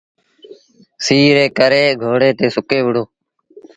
سيٚ ري ڪري گھوڙي تي سُڪي وهُڙو ۔